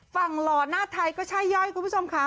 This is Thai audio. ฝั่งหลอนหน้าไทยก็พะเย้ยคุณผู้ชมคะ